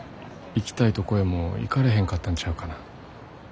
行きたいとこへも行かれへんかったんちゃうかな。